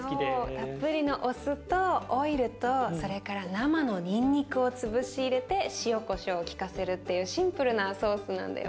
たっぷりのお酢とオイルとそれから生のにんにくを潰し入れて塩こしょうを利かせるっていうシンプルなソースなんだよ。